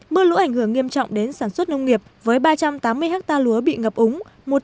mưa lũ ảnh hưởng nghiêm trọng đến sản xuất nông nghiệp với ba trăm tám mươi hectare lúa bị ngập úng